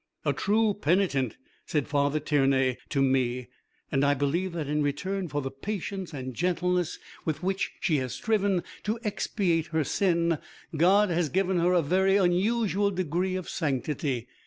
'A true penitent,' said Father Tiernay to me, 'and I believe that in return for the patience and gentleness with which she has striven to expiate her sin God has given her a very unusual degree of sanctity.'